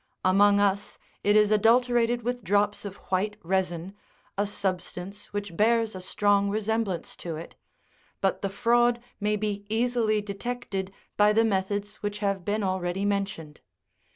Among us, it is adulterated with drops of white resin, a substance which bears a strong resemblance to it : but the fraud may be easily detected by the methods which have been already mentioned.